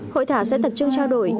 hội thảo sẽ tập trung trao đổi